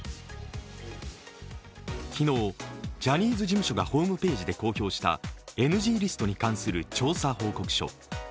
昨日、ジャニーズ事務所がホームページで公表したＮＧリストに関する調査報告書。